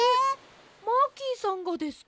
マーキーさんがですか？